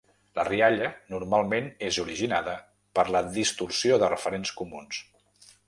La rialla normalment és originada per la distorsió de referents comuns.